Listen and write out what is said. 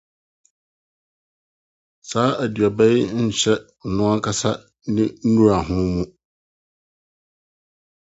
Saa aduaba yi hyɛ n’ankasa ne nnuraho mu.